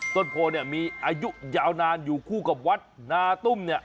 ต้นโพยักษ์นี้มีอายุยาวนานอยู่คู่กับวัดนาตุ้ม